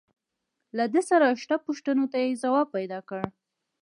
له ده سره شته پوښتنو ته يې ځواب پيدا کړ.